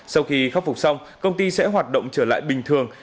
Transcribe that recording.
sau khi khắc phục xong công ty sẽ hoạt động trở lại bình thường